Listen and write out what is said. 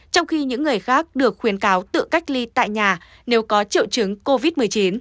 trong khi những người khác được khuyến cáo tự cách ly tại nhà nếu có triệu chứng covid một mươi chín